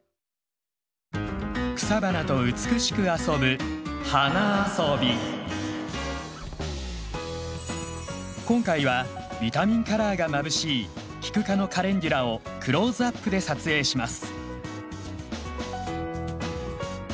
草花と美しく遊ぶ今回はビタミンカラーがまぶしいキク科のカレンデュラをクローズアップで撮影します。